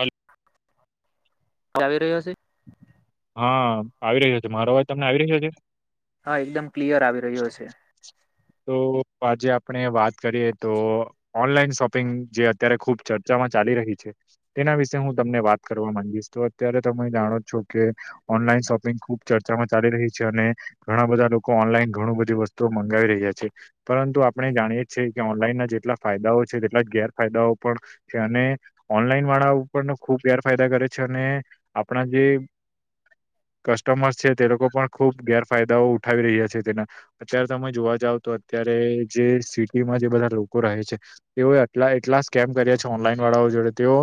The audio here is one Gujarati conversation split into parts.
હલ [unintelligible] આવી રહ્યો છે. હા આવી રહ્યો છે મારો અવાજ તમને આવી રહ્યો છે. હા એકદમ ક્લિયર આવી રહ્યો છે. તો આજે આપણે વાત કરીએ તો ઓનલાઈન શોપિંગ જે અત્યારે ખુબ ચર્ચા. ચાલી રહી છે. તેના વિશે હું તમને વાત કરવા માંગીશ તો અત્યારે તમે જાણો છો કે ઓનલાઈન શોપિંગ ખુબ ચર્ચા માં ચાલી રહી છે અને ઘણા બધા લોકો ઓનલાઈન ઘણું બધી વસ્તુઓ મંગાવી રહ્યા છે. છે, પરંતુ આપણે જાણીએીએ કે ઓનલાઈન ના જેટલા ફાયદાઓ છે તેટલા જ ગેરફાયદાઓ પણ છે. ઓનલાઈન વાળા ઉપર ખૂબેરફાયદા કરે છે અને આપણા જે [inaudible] કસ્ટમર્સ છે તે લોકો પણ ખુબ ગેરફાયદાઓ ઉઠાવી રહ્યા છે તેના અત્યારે તમે જોવા જાવ તો અત્યારે જે સિટીમાં જે બધા લોકો રહે છે તેઓ એટલા એટલા સ્કેમ કર્યા છે ઓનલાઈન જોડે તેઓ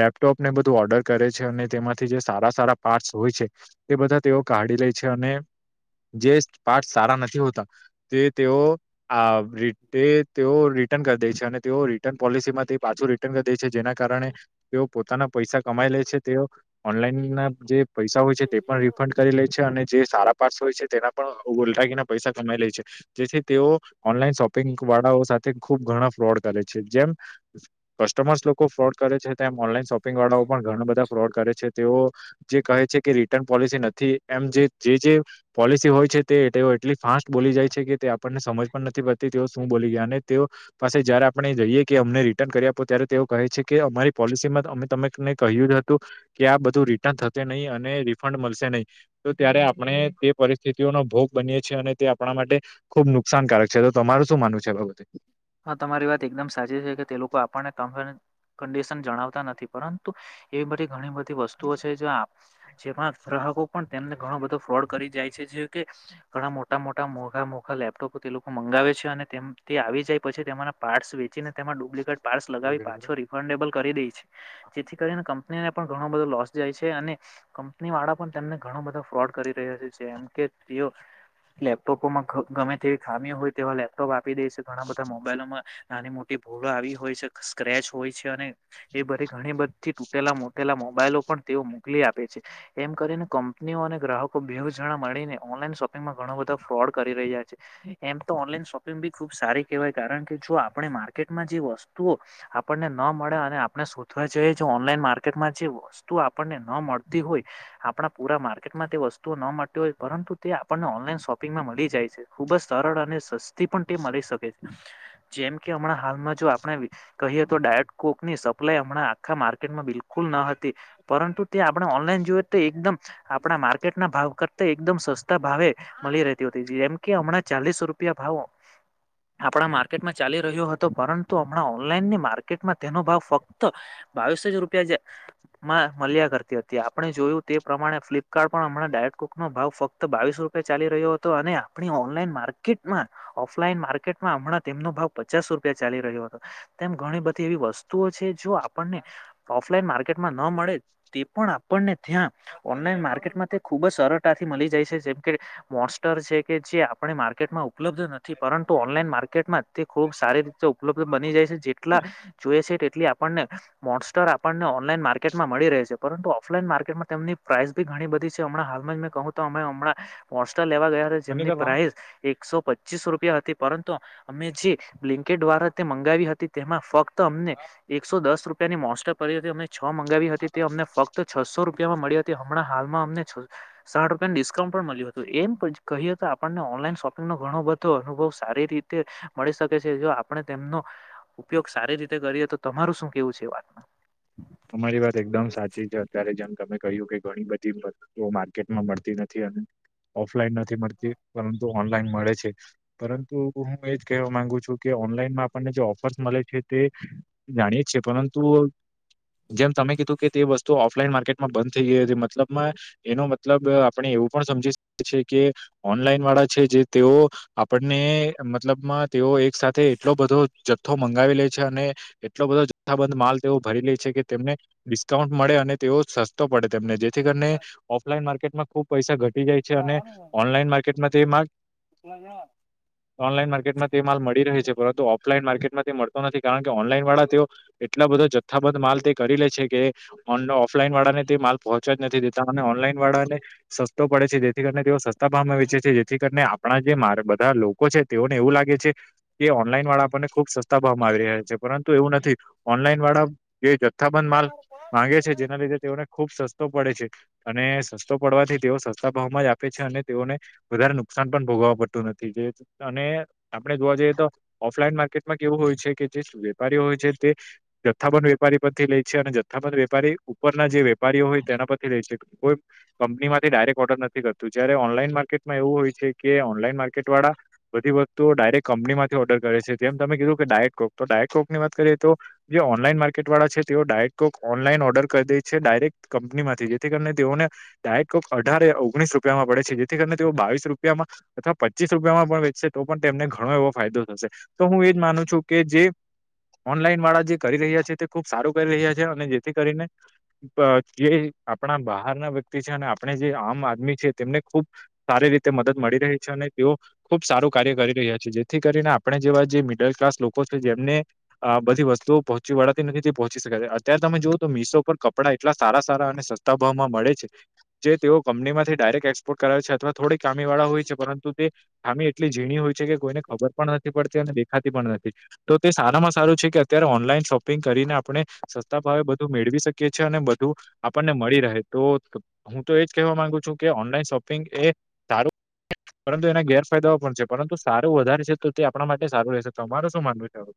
લેપટોપ ને બધું ઓર્ડર કરે છે અને તેમાંથી જે સારા સારા પાર્ટ્સ હોય છે. તે બધા તેઓ કાઢી લે છે અને જે પાર્ટ સારા નથી હોતા તે તેઓ તેઓ રિટર્ન કરી દે છે અને તેઓ રિટર્ન પોલિસી માંથી પાછું રિટર્ન દે છે જેના કારણે તેઓ પોતાના પૈસા કમાઈ લે છે તેઓ ઓનલાઈન ના જે પૈસા હોય છે તે પણ રિફંડ કરી લે છે અને જે સારા પાર્સ હોય છે તેના પણ ઓલરાકીીના પૈસા કમાઈ લે છે. તે ઓનલા શોપિંગ વાળાઓ સાથે ખુબ ઘણા ફ્રોડ કરે છે જેમ કસ્ટમ લોકો ફ્રોડ કરે છે તેમ ઓનલાઈન શોપિંગ વાળાઓ પણ ઘણા બધા ફ્રોડ કરે છે તેઓ જે કહે છે કે રિટર્ન. પોલિસી નથી એમ જે જે પોલિસી હોય છે તે એટલી ફાસ્ટ બોલી જાય છે કે તે આપણને સમજ પણ નથી પડતી તેઓ શું બોલી ગયા અને તેઓ પાસે જયારે આપણે જઈએ કે અમને રિટર્ન કરી આપો ત્યારે તેઓ કહે છે કે અમારી પોલિસીમાં અમે તમેને કહ્યું હતું કે આ બધું રિટર્ન થશે નહીં અને રિફંડ મળશે નહીં તો ત્યારે આપણે તે પરિસ્થિતિઓનો ભોગ બનીએ છીએ અને તે આપણા માટે ખુબ નુકસાનકારક છે તો તમારું શું માનવું છે બાબતે? હા તમારી વાત એકદમ સાચી છે કે તે લોકો આપણને ક કંડિશન જણાવતા નથી પરંતુ એવી બધી ઘણી બધી વસ્તુઓ છે જો આપ જેમાં ગ્રાહકો પણ તેમને ઘણો બધો ફ્રોડ કરી જાય છે જે કે ઘણા મોટા મોટા મોઘા મોઘા લેપટોપ તે લોકો મંગાવે છે અને તેમ તે આવી જાય પછી તેના પાર્ટ્સ વેચીને તેમાં ડુપ્લિકેટ પાર્ટ્સ લગાવી પાછો રિફન્ડેબલ કરી દે છે. જેથી કરીને કંપનીને પણ ઘણો બધો લોસ જાય છે અને કંપની વાળા પણ તેમને ઘણો બધા ફ્રોડ કરી રહ્યા છેમ કે લેપટોપોમાં ગમે તેવી ખામીઓ હોય તેવા લેપટોપ આપી દે છે. મોબાઈલમાં નાની મોટી ભૂળો આવી હોય છે સ્ક્રેચ હોય છે અને એ બધી ઘણી બધીથી તૂટેલા મોટેલા મોબાઈ તે મોકલી આપે છે એમ કરીને કંપનીઓ અને ગ્રાહકો બેહ જણા મળીને ઓનલાઈનો. શોપિંગમાં ઘો બધો ફ્રોડ કરી રહ્યા છે એમ તો ઓનલાઈન શોપિંગ બી ખુબ સારી. કવાય કારણ કે જો આપણે માર્કેટમાં જે વસ્તુઓ આપણને ન મળે અને આપણે શોધવા જઈએ. ઓનલાઈન માર્કેટમાં જે વસ્તુ આપણને ન મળતી હોય આપણા પુરા માર્કેટમાં તે વસ્તુઓ ન મળતી. પરંતુ તે આપણને ઓનલાઈન શોપિંગમાં મળી જાય છે ખુબ જ સરળ અને સસ્તી પણ તે મળી શકે છે. [inaudible] જેમ કે હમણાં હાલમાં જો આપણે કહીએ તો ડાયટકોક ની સપ્લાય હમણાં આખા માર્કેટમાં બિલકુલ પરંતુ ત્યા આપણે ઓનલાઈન જોમ આપણા માર્કેટના ભાવ કરતા એકમ સ ભાવે મળી રહેતી હતી જેમ કે હમણાં ચાલીસ રૂપિયા ભાવો આપણા માર્કેટમાં ચાલી રહ્યો હતો પરંતુ હમણાં ઓનલાઈન ની માર્કેટમાં તેનો ભાવ ફક્ત બજ રૂપિયામાં મળ્યા કરતી હતી આપણે જોયું તે પ્રમાણે ફ્લિપકાર્ટ પણ હમણાં ડાયક ભાવ ફત બાવીસ રૂપ ચાલી રહ્યો હતો અને આપ ઓનલાઈન માર્કેટમાં ઓફલાન માટ માં હમણાં તેમનો ભાવ પચાસ રૂપિયા ચાલી રહ્યો હતો તેમ ઘણી બધી એવી વસ્તુઓ છે જો આપણને ઓફલાઈન માર્કેટમાં ન મળે તે પણ પણને ત્યાં ઓનલાઈન માર્કેટમાં ખુબ જ સરળતાથી મળી જાય છે જે છે મોસ્ટર છે કે જે આપણે માર્કેટમાં ઉપલબ્ધ નથી પરંતુ ઓનલાઈન માર્કેટમાં તે ખૂબ સારી રીતે ઉપલબ્ધ બની જાય છે જેટલા જોએ છે. એટ આપને મોસ્ટર આપણને ઓનલાઈન માર્કેટમાં મળી રહે છે પરંતુ ઓફલાઈન માર્કેટમાં તેમની પ્રાઇસ બી ઘણી બધી છે હમણાં હાલમાં જ મેં કહ તો અમે હમણાં પહચ લેવા ગયા હતા જેમની પ્રાઇસ એકસો પચીસ રૂપિયા હતા પરંતુ અમે જે બ્લિન્કેટ દ્વારા તે મંગાવી હતી તેમાં ફક્ત અમને એકસો દસ રૂપ તેની મોસ્ટ પરરી હતી અમને છ મંગાવી હતી તે અમને ફક્ત છસો મળી હતી હમણાં હાલમાં અમને સા રૂપિયા ડિસ્કાઉન્ટ પણ મળ્યું હતું એમ કહી આપણને. ઓનલાઈન શોપિંગો ઘો બધો અનુવ છે. સારી રીતે મળી શકે છે જો આપણે તેમનો ઉપયોગ સારી રીતે કરીએ તો તમારું શું કેવું છે. વાત [inaudible] અમારી વાત એકદમ સાચી છે અત્યારે જેમ તમે કહ્યું કે ઘણી બધી વસ્તુઓ માર્કેટમાં મળતી નથી. [inaudible] ઓફલાઈન નથી મળતી પરંતુ ઓનલાઈન મળે છે પરંતુ હું એજ કહેવા માંગુ છું કે. ઓનલાઈનમાં આપણને જે ઓફર્સ મળે છે તે જાણીએ છે પરંતુ. જેમ તમે કીધું કે તે વસ્તુ ઓ. ઓફલાઈન માર્કેટમાં બંધ થઈ ગય મતલબમાં એનો મતલબ આપણે એવું પણ સમજીકી છી કે. ઓનલાઈન વાળા છે જે તેઓ આપણને મતલબમાં તેઓ એક. સાથે એટલો બધો જથ્થો મંગાવી લે છે અને એટલો બધો જથ્થાબંધ માલ તેઓ ભરી લે છે કે. તેમને ડિસ્કાઉન્ટ મળે અને તેઓ સસ્તો પડે તેમને જેથી કરીને ઓફલાઈન માર્કેટમાં ખૂબ. પૈસા ઘટી જાય છે અને લાવવાનું ઓનલાઈન માર્કેટમાં તે માર્. હોય ઓનલાઈન માર્કેટમાં તે માલ મળી રહે છે. પરંતુ ઓફલાઈન માર્કેટમાં મળતો નથી કારણ કે ઓનલાઈન વાળા તેઓ એટલા બધા જથ્થાબંધ માલ તે. કરી લે છે કે ઓફલાઈન વાળાને તે માલ પહોંચવા જ નથી દેતા અને ઓનલાઈન વાળાને સસ્તો. પડે છે જેથી કરીને તેઓ સસ્તા ભાવમાં વેચે છે જેથી કરીને આપણા જે મા બધા લોકો છે તેઓને એવું લાગે છે એ ઓનલાઈન વાળા આપણને ખુબ સસ્તા ભાવમા આપી રહ્યા છે પરંતુ એવુ નથી ઓનલાઈન વાળા જે જથાબંધ માલ માંગે છે જેના લીધે તેઓને ખુબ સસ્તો પડે છે અને સસ તો પડવાથી તેઓ સસ્તા ભાવમા જ આપે છે અને તેઓને વધારે નુકસાન પણ ભોગવવા પડતું નથી અને આપડે જોવા જઈએ તો ઓફલાઈન માર્કેટમા કેવું હોય છે કે જે વેપારીઓ હોય છે તે જથા વેપારી થી લે છે અને જથ્થાબંધ વેપારી ઉપરના જે વેપારીઓ હોય તેના પરથી લે છે કોઈ કંપનીમાંથી ડા યરેક ઓર્ડર નથી કરતુ જયારે ઓનલાઈન માર્કેટમા એવું હોય છે કે ઓનલાઈન માર્કેટ વાળા બધી વસ્તો ડાયરેક કંપની માંથી ઓર્ડર કરે છે તેમ તમે કીધું કે ડાયટ કોક તો ડાયટ કોક ની વાત કરીએ તો જે ઓનલાઈન માર્કેટ વાળ છે તેઓ ડાયરેક્ટ કોક ઓનલાઈન ઓર્ડર કરી દે છે ડાયરેક્ટ કંપનીમાંથી જેથી કરીને તેઓને ડાયટ કોક અઢારે ઓગણીસ રૂપિયામા પડે છે જેથી કરીને તેઓ બાવીસ રૂપિયામા અથવા પચીસ રૂપિયામા પણ વેચશે તો પણ તેમને ઘણો એવો ફાયદો થશે. તો હું એજ માનુ છુ કે જે ઓનલાઈન વાળા જે કરી રહ્યા છે, તે ખૂબ સારું કરી રહ્યા છે, અને જેથી કરીને જે આપણા બહાર ના વ્યક્તિ છે અને આપણે જે આમ આદમી છે તેમને ખુબ સારી રીતે મદદ મળી રહી છે અને તેઓ ખુબ સારું કાર્ય કરી રહ્યા છે, જેથી કરીને આપણે જેવા જે મિડલ ક્લાસ લોકો છે જેમને બધી વસ્તુઓ પહોંચી વળવા નથી તે પહોંચી શક અત્યારે તમે જુઓ તો મીશો પર કપડા એટલા સારા સારા અને સસ્તા ભાવમા મળે છે જે તેઓ કંપનીમાથી ડાયરેક્ટ એક્સપોર્ટ કરાવે છે અથવા થોડીક ખામી વાળા હોય છે પરંતુ તે ખામી એટલી ઝીણી હોય છે કે કોઈને ખબર પણ નથી પડતી દેખાતી નથી તો તે સારામાં સારું છે કે અત્યારે ઓનલાઈન શોપિંગ પિંગ કરીને આપણે સસ્તા ભાવે બધું મેળવી શકીએ છીએ અને બધું આપણને મળી રહે તો હું તો એજ કહેવા માંગુ છુ કે ઓનલાઈન શોપિંગ એ સારું પરંતુ એના ગેરફાયદાઓ પણ છે પરંતુ સારું વધારે છે તો તે આપણા માટે સારું રહેશે તમાર શું માનવું છે [inaudible]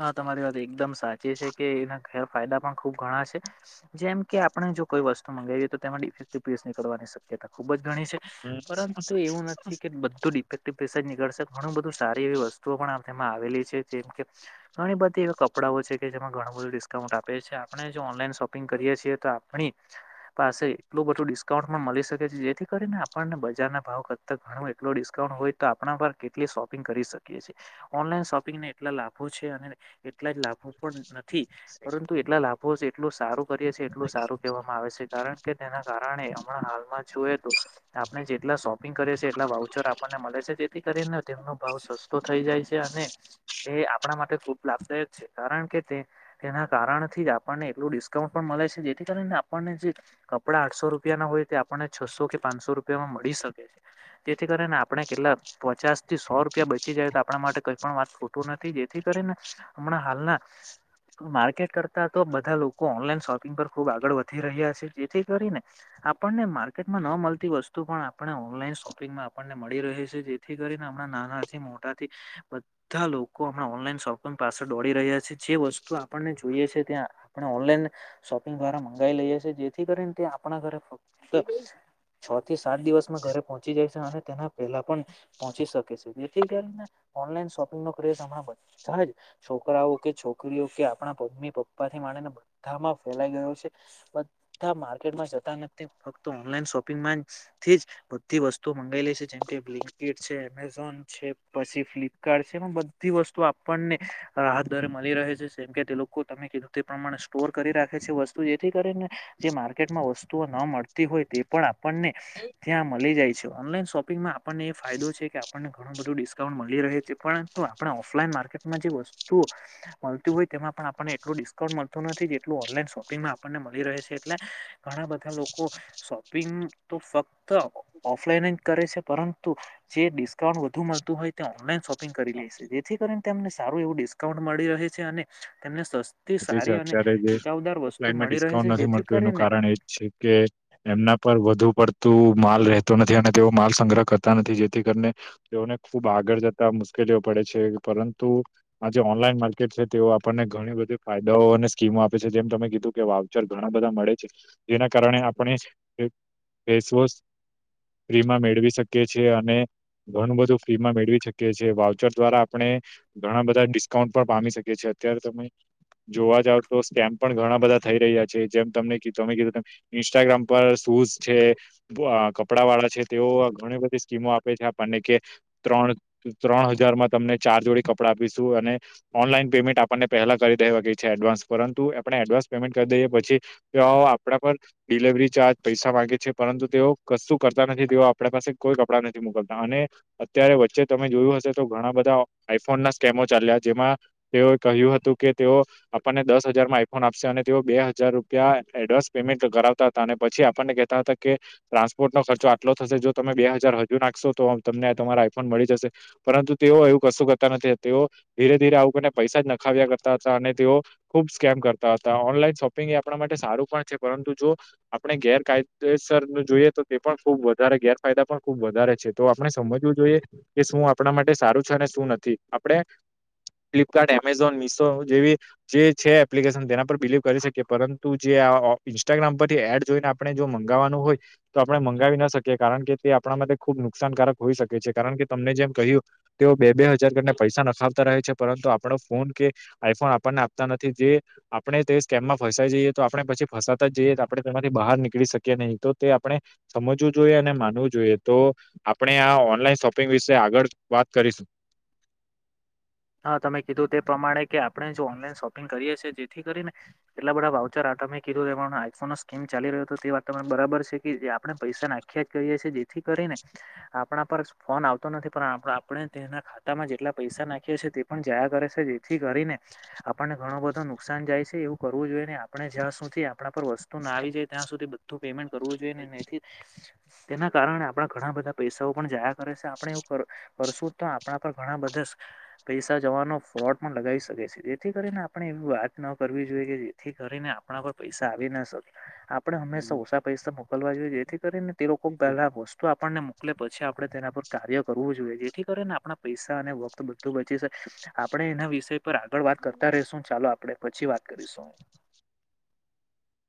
હા તમારી વાત એકદમ સાચી છે કે એના ખ ફાયદા પણ ખુબ ઘણા છે જેમ કે આપણે જો કોઈ વસ્તુ મંગાવીએ તો તેમાં ઇફેક્ટિવ પેસ નીકળવાની શકય તા ખૂબ જ ગણી છે આ પરંતુ એવું નથી કે બધું ડિફેક્ટિવ પીસજ નીકળશે ઘણું બધું સારી એવી વસ્તુઓ પણ એમાં આવેલી છે જેમ કે ઘણી બધી એવા કપડાંઓ છે કે જેમાં ઘણું બધું ડિસ્કાઉન્ટ આપે છે આપણે જો ઓનલાઈન શોપિંગ કરીએ છીએ આપણી પાસે એટલું બધું ડિસ્કાઉન્ટ પણ મલી શકે છે જેથી કરીને આપણને બજાર ના ભાવ કરતા ઘણું એટલો ડિસ્કાઉન્ટ હોય તો આપણા પર કેટલી શોપિંગ કરી શકીએ ઓનલાઈન શોપિંગના એટલા લાભ છે, અને એટલા જ લાભો પણ નથી, પરંતુ એટલા લાભો, એટલું સારું. કરીએ છીએ, એટલું સારું કહેવામાં આવે છે. કારણ કે તેના કારણે, હમણાં હાલમા જોએ તો આપણે જેટલા શોપિંગ કરીએ છે, એટલા વાઉચર આપણે ને. મળે છે, જેથી કરીને તેમનો ભાવ સસ્તો થઈ જાય છે અને એ આ પણા માટે ખૂબ લાભદાયક છે, કારણ કે તે તેના કારણથી જ આપણને એટલું ડિસ્કાઉન્ટ પણ મળે છે, જેથી કરીને આપણને જે કપડા આઠસો રૂપિયા ના હોય તે આપણને છસો કે પાંચસો રૂપિયામાં મળી શકે છે. જેથી કરીને આપણે કેટલાક પચાસ થી સો રૂપિયા બચી જાય, તો આપણા માટે કંઈ પણ વાત ખોટુ નથી. જેથી કરીને હમણાં હાલના માર્કેટ કરતા તો બધા લોકો ઓનલાઈન શોપિંગ પર ખુબ આગળ વધી રહ્યા છે, જેથી કરીને આપણને માર્કેટમાં ન મળતી વસ્તુ પણ આપને ઓનલાઈન શોપિંગમાં આપણને મળી રહે છે, જેથી કરીને નાના થી મોટાથી બધા લોકો ઓનલાઈન શોપિંગ પાછ ળદોડી રહ્યા છે. જે વસ્તુ આપણને જોઈએ છે, ત્યાં આપણે ઓનલાઈન શોપિંગ દ્વારા મંગાઈ લઈએ છે, જેથી કરીને તે આપણા ઘરે ફક્ત બાબતે? છ થી સાત દિવસમાં ઘરે પહોંચી જાય છે, અને તેના પેલા પણ પહોંચી શકે છે, જેથી કરીને ઓનલાઈન શોપિંગ નો ક્રેઝ હમણા બધા જ છોકરાઓ કે, છોકરીઓ કે આપણા મમ્મી-પપ્પાથી માણીને બધામાં ફેલાઈ ગયો. છે, બધા માર્કેટમાં જતા નથી, ફક્ત ઓનલાઈન શોપિંગમાંથી જ બધી. વસ્તુ મંગાવી લે છે. જેમ કે બ્લિંકિટ છે, એમેઝોન છે, પછી ફ્લિપકાર્ટ છે. એમાં બધી વસ્તુ. આપણને રાહત દરે મળી રહે છે. જેમ કે તે લોકો, તમે કીધું તે પ્રમાણે, સ્ટોર કરી રાખે છે વસ્તુ. જેથી કરીને, જે માર્કેટમાં વસ્તુઓ ન મળતી હોય, તે પણ આપણને ત્યાં મળી જાય. ઓનલાઇન શોપિંગમાં આપણને એ ફાયદો છે કે આપણને ઘણું બધું ડિસ્કાઉન્ટ મળી રહે છે, પરંતુ આપણા ઓફલાઈન માર્કેટમાં જે વસ્તુ મળતી હોય, તેમાં પણ આપણને એટલું ડિસ્કાઉન્ટ મળતું નથી, જેટલું ઓનલાઈન શોપિંગ આપણને મળી રહે છે, એટલે ઘણા બધા લોકો શોપિંગ તો ફક્ત ઓફલાઈન જ કરે છે, પરંતુ જે ડિસ્કાઉન્ટ વધુ મળતું હોય તે ઓનલાઈન શોપિંગ કરી લે છે, જે નેને સારું એવું ડિસ્કાઉન્ટ મળી રહે છે, અને તેમને સસ્તી, જે છે સારી અને અત્યારે જે તકાવ ઓફલાઈનમાં ડિસ્કાઉન્ટ નથી મળતું. એનું કારણ એજ છે કે એમના પર વધુ પડતું તો માલ રહેતો નથી, અને તેઓ માલ સંગ્રહ કરતા નથી. જેથી કરીને તેઓને ખુબ આગળ જતા મુશ્કેલી પડે છે. પરંતુ આ જે ઓનલાઈન માર્કેટ છે, તે આપણને ઘણી બધી ફાયદાઓ અને સ્કીમો આપે છે. જેમ તમે કીધું કે, વાઉચર ઘણા બધા મળે છે, જેના કારણે આપણે ફેસવોશ. ફ્રીમાં મેળવી શકીએ છીએ અને ઘણું બધું ફ્રીમાં મેળવી શકીએ છીએ વાઉચર દ્વારા આપણે ઘણા બધા ડિસ્કાઉન્ટ પણ પામી શકે છે, અત્યારે તમે જોવા જાવ તો સ્કેમ પણ ઘણા બધા થઈ રહ્યા છે, જેમ તમને તમે કીધું ઇન્સ્ટાગ્રામ પર શૂઝ છે, કપડા વાળા છે, તેઓ ઘણી બધી સ્કીમો આપે છે આપણને કે ત્રણ ત્રણ હજારમાં તમને ચાર જોડી કપડા આપીશું. અને ઓનલાઈન પેમેન્ટ આપણને પહેલા કરી દેવા ગઈ છે એડવાન્સ, પરંતુ આપણે એડવાન્સ પેમેન્ટ કરી દઈએ પછી આપણા પર ડિલવરી ચાર્જ. પૈસા માંગે છે, પરંતુ તેઓ કશું કરતા નથી. તેઓ આપણા પાસે કોઈ કપડાં નથી મોકલતા, અને અત્યારે. વચ્ચે તમે જોયું હશે, તો ઘણા બધા આઈફોન ના સ્કેમો ચાલ્યા, જેમાં તેઓએ કહ્યું હતું કે. તેઓ આપણને દસ હજારમાં આઈફોન આપશે, અને તેઓ બે હજાર રૂપિયા એડવાન્સ પેમેન્ટ કરાવતા હતા, અને પછી આપણને કહેતા હતા કે ટ્રાસપર્ટ નો ખર્ચો આટલો થશે. જો તમે બે હજુ નાખશો તો તમને તમારા આઈફોન મળી જશે, પરંતુ તેઓ એવું કશું કરતા નથી. તેઓ ધીરે ધરે આવુંને પૈસા જ નખાવ્યા કરુ. તેઓ ખુબ સ્કેમ કરતા હતા. ઓનલાઈન શોપિંગ એ આપણા માટે સારું પણ છે, પરંતુ જો આપણે ગેરકાયદેસરનું જોઈએ, તો તે પણ ખૂબ વધારે ગેરફાયદા પણ ખૂબ વધારે છે. તો આપણે સમજવું જોઈએ. શું આપણા માટે સારું છે અને શું નથી? આપણે ફ્લિપકાર્ટ, એમેઝોન મ જે જે છે, એપ્લિકેશન તેના પર બિલીવ કરી શકીએ. પરંતુ જે ઇન્સ્ટાગ્રામ પરથી એડ જોઈને, આપણે જો મંગાવવાનું હોય, તો આપણે મંગાવી ના શકીએ. કારણ કે તે આપણા માટે ખુબ નુકસાનકારક હોઈ શકે છે. કારણ કે તમને જેમ કહ્યું, તેઓ બે બે હજાર કરીને પૈસા નખાવતા રહે છે. પરંતુ આપણો ફોન કે આઈફોન આપણને આપતા નથી, જે આપણેે તે સ્કેમમાં ફસાઈ જઈએ, તો આપણે પછી ફસાતા જઈએ. તો આપણે બહાર નીકળી શકીએ નહીં. તો તે આપણે સમજવું જોઈએ અને માનવું જોઈએ. તો આપણે આ ઓનલાઈન શોપિંગ વિશે આગળ વાત કરીશું હા તમે કીધું તે પ્રમાણે કે આપણે જો ઓનલાઈન શોપિંગ કરીએ છીએ જેથી કરીને કેટલા બધા વાઉચર તમે કીધું એ આઈફોન નો સ્કીમ ચાલી રયો હતો તે વાત તમાને બરાબર છે, કે જે આપણે પૈસા નાખ્યા જ કરીએ છીએ જેથી કરીને આપણા પર ફોન આવતો નથી પણ આપણે તેના ખાતામાં જેટલા પૈસા નાખી તે પણ જાયા કરે છે, જેથી કરીને આપણને ઘણો બધો નુકસાન જાય છે, એવું કરવું જોઈએ ને આપણે જ્યાં સુધી આપણા પર વસ્તુ ના આવી જાય ત્યાં સુધી બધું પેમેન્ટ કરવું જોઈએ ને તેના કારણે કારણ આપણા ઘણા બધા પૈસાઓ પણ જાયા કરે છે, આપણે એવું કરશું તો આપણા પર ઘણા બધા પૈસા જવાનો ફ્રોડ પણ લગાવી શકે છે, જેથી કરીને આપણે એવી વાત ન કરવી જોઈએ કે જેથી કરીને આપણા કોઈ પૈસા આવી ના શકતા આપણે હંમેશા ઓછા પૈસા મોકલવા જોઈએ જેથી કરીને તે લોકો પહેલા વસ્તુ આપણને એલે પછી આપણે તેના પર કાર્ય કરવું જોઈએ જેથી કરીને આપણા પૈસા અને વખત બ ચી સક્સે આપણે એના વિષય પર આગળ વાત કરતા રશું ચાલો આપડે પછી વાત કરીશું.